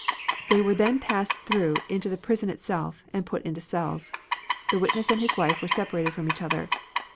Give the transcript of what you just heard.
They were then passed through into the prison itself and put into cells. The witness and his wife were separated from each other.